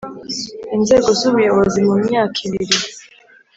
inzego z ubuyobozi mu myaka ibiri